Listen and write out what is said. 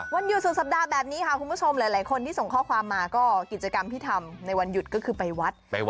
วันหยุดสุดสัปดาห์แบบนี้ค่ะคุณผู้ชมหลายคนที่ส่งข้อความมาก็กิจกรรมที่ทำในวันหยุดก็คือไปวัด